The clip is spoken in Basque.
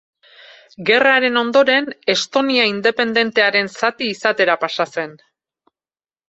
Gerraren ondoren, Estonia independentearen zati izatera pasa zen.